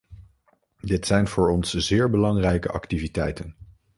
Dit zijn voor ons zeer belangrijke activiteiten.